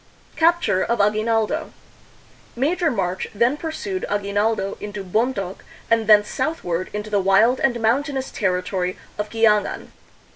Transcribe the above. Capture of A Q uina.ldo Major March then pursued Aguinaldo into Bontok and thence southward into the wild and mountainous terri tory of Quiangan.